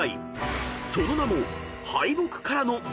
［その名も］